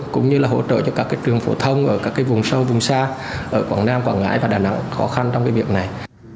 cũng như là hỗ trợ cho các trường phổ thông ở các vùng sâu vùng xa ở quảng nam quảng ngãi và đà nẵng khó khăn trong cái việc này